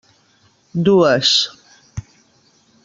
Dues.